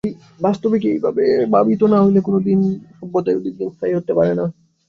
বাস্তবিকই এই ভাবে ভাবিত না হইলে কোন সভ্যতাই অধিক দিন স্থায়ী হইতে পারে না।